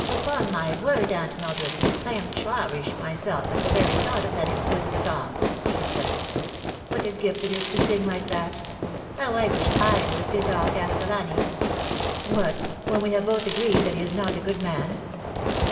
" Upon my word, Aunt Mildred, I am traurig myself at the very thought of that exquisite song," she said. " What a gift it is to sing like that I How I wish / were Cesar Castellani 1" Lifting the Curtain. 119 " What, when we have both agreed that he is not a good man